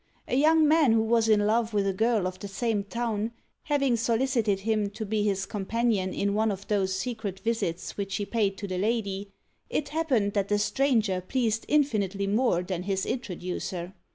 A young man who was in love with a girl of the same town, having solicited him to be his companion in one of those secret visits which he paid to the lady, it happened that the stranger pleased infinitely more than his introducer.